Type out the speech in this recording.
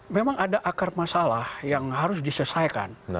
memang ada akar masalah yang harus diselesaikan